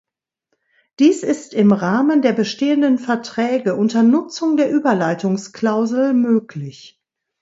Dies ist im Rahmen der bestehenden Verträge unter Nutzung der Überleitungsklausel möglich.